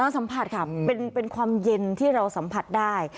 สัมผัสค่ะเป็นความเย็นที่เราสัมผัสได้